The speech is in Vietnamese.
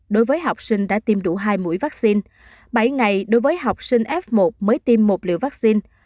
đối với học sinh đã tiêm đủ hai mũi vaccine bảy ngày đối với học sinh f một mới tiêm một liều vaccine